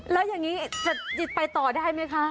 แล้วอย่างนี้จะไปต่อได้ไหมคะ